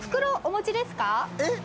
えっ？